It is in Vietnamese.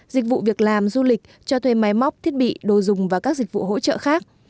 dịch vụ việc làm du lịch cho thuê máy móc thiết bị đồ dùng và các dịch vụ hỗ trợ khác